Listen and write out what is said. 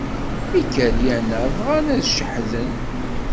Ikeryan-a bɣan ad ceḥḥden.